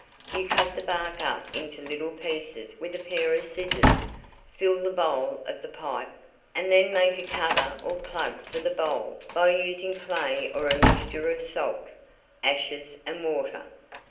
You cut the bark up into little pieces with a pair of scissors, fill the bowl of the pipe, and then make a cover or plug for the bowl by using clay or a mixture of salt, ashes and water.